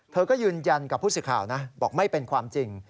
เธอก็ยืนยันกับผู้สื่อข่าวนะบอกไม่เป็นความจริง